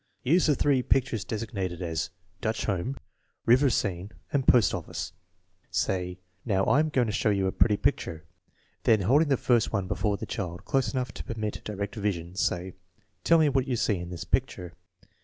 Use the three pictures designated as "Dutch Home," " River Scene," and " Post Office." Say, " Now I am going to show you a pretty picture" Then, holding the first one before the child, close enough to permit distinct vision, say: " Tell me what you see in this picture."